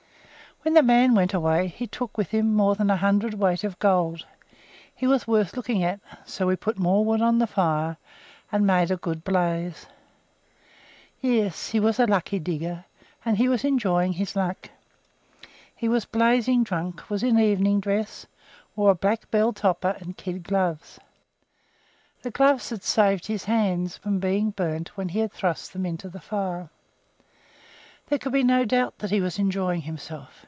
When the man went away he took with him more than a hundredweight of gold. He was worth looking at, so we put more wood on the fire, and made a good blaze. Yes, he was a lucky digger, and he was enjoying his luck. He was blazing drunk, was in evening dress, wore a black bell topper, and kid gloves. The gloves had saved his hands from being burned when he thrust them into the fire. There could be no doubt that he was enjoying himself.